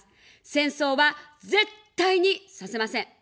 戦争は絶対にさせません。